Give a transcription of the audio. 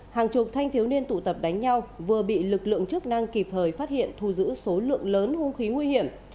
hàng chục thanh thiếu niên tụ tập đánh nhau vừa bị lực lượng chức năng kịp thời phát hiện thu giữ số lượng lớn hung khí nguy hiểm